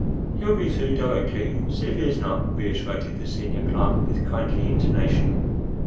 "He'll be through directly, see if he is not," reiterated the senior clerk with kindly intonation.